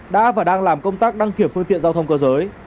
đã và đang làm công tác đăng kiểm phương tiện giao thông cơ giới